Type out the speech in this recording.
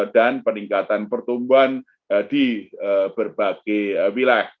dan peningkatan pertumbuhan di berbagai wilayah